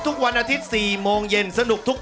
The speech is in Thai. ออกออกออกออกออกออกออกออก